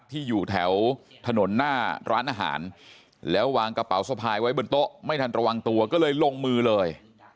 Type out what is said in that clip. ที่อยู่แถวถนนหน้าร้านอาหารแล้ววางกระเป๋าสะพายไว้บนโต๊ะไม่ทันระวังตัวก็เลยลงมือเลย